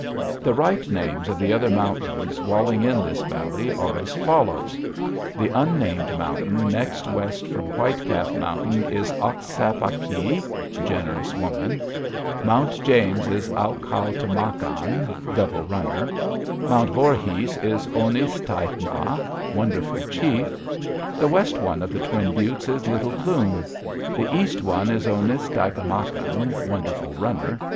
The right names of the other mountains walling in this valley are as follows: The unnamed mountain next west from White Calf Mountain is Ahk´ sap ah ki (Generous Woman); Mount James is Ah´ kow to mak an (Double Runner); Mount Vorhis is O nis tai´ na (Wonderful Chief). The west one of the Twin Buttes is Little Plume; the east one is O nis tai´ mak an (Wonderful Runner).